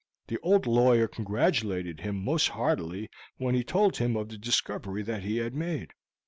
The old lawyer congratulated him most heartily when he told him of the discovery that he had made.